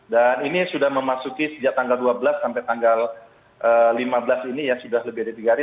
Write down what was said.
dan ini sudah memasuki sejak tanggal dua belas sampai tanggal lima belas ini ya sudah lebih dari tiga hari